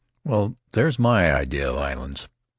Well, there's my idea of islands.